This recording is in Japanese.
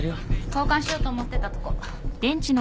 交換しようと思ってたとこ。